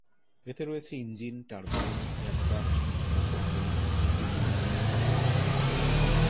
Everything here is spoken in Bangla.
এতে রয়েছে ইঞ্জিন, টার্বাইন, এয়ারক্রাফট, মোটরসাইকেল ও বিভিন্ন প্রকারের যানবাহন।